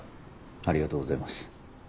ありがとうございます。